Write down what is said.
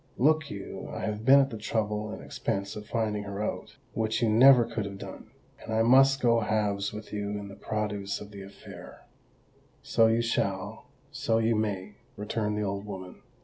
Look you—I have been at the trouble and expense of finding her out—which you never could have done—and I must go halves with you in the produce of the affair." "So you shall—so you may," returned the old woman.